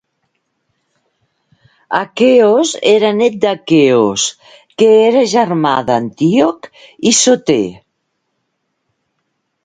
Aqueos era net d'Aqueos, que era germà d'Antíoc I Soter.